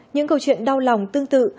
những câu chuyện đau lòng tương tự